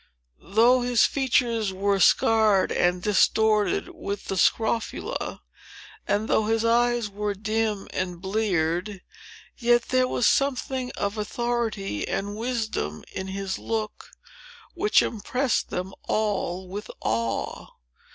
Though his features were scarred and distorted with the scrofula, and though his eyes were dim and bleared, yet there was something of authority and wisdom in his look, which impressed them all with awe.